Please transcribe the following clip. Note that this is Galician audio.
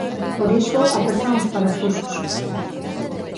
Por iso apertan os parafusos.